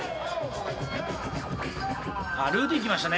あっルーティーン来ましたね。